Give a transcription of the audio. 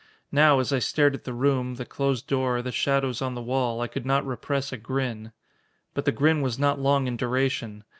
Now, as I stared at the room, the closed door, the shadows on the wall, I could not repress a grin. But the grin was not long in duration.